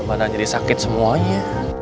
badan jadi sakit semuanya